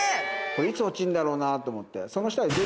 いつ落ちんだろうなと思って。